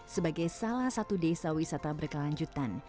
sebagai salah satu desa wisata berkelanjutan